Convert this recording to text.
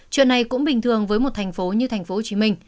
chuyện này cũng bình thường với một thành phố như tp hcm